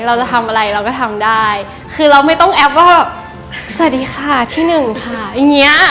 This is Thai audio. เราจะทำอะไรเราก็ทำได้คือเราไม่ต้องแอปว่าสวัสดีค่ะที่หนึ่งค่ะอย่างเงี้ย